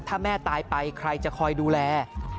ถ้าแม่ตายไปใครจะคอยดูแล